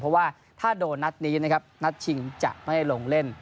เพราะว่าถ้าโดนนัดนี้นะครับนัดชิงจะไม่ลงเล่น